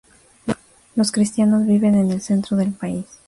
Los cristianos viven en el centro del país.